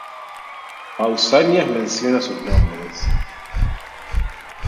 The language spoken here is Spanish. Pausanias menciona sus nombres.